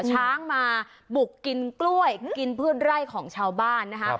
ช้างมาบุกกินกล้วยกินพืชไร่ของชาวบ้านนะคะ